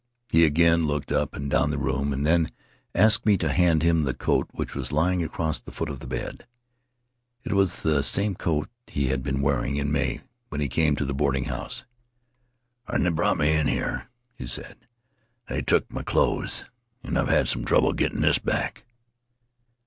He again looked up and down the room, and then asked me to hand him the coat which was lying across the foot of the bed. It was the same coat he had been wearing in May, when he came to the boarding house. '"When they brought me here,' he said, 'they took my clothes, and I've had some trouble getting this back.'